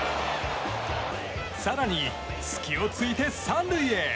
更に隙を突いて３塁へ！